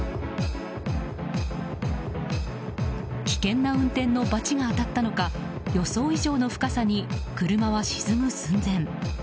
危険な運転のばちが当たったのか予想以上の深さに車は沈む寸前。